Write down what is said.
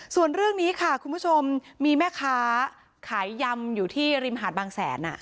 ส่วนเรื่องนี้ค่ะคุณผู้ชมมีแม่ค้าขายยำอยู่ที่ริมหาดบางแสน